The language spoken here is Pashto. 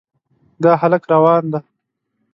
دا هلک روان دی.